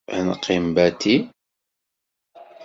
Ad neqqim bati.